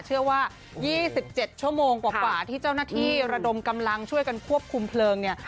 เชื่อว่า๒๗ชั่วโมงกว่าที่เจ้าหน้าที่ระดมกำลังช่วยกันควบคุมเพลิงเนี่ย